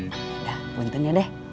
udah buntun aja deh